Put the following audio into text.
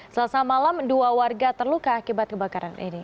selasa malam dua warga terluka akibat kebakaran ini